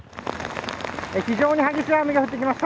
非常に激しい雨が降ってきました。